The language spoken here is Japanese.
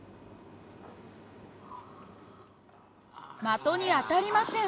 的に当たりません。